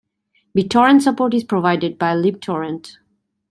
BitTorrent support is provided by libtorrent.